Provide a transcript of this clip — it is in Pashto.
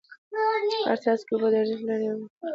هر څاڅکی اوبه ارزښت لري او باید د اړتیا پرته ونه کارول سي.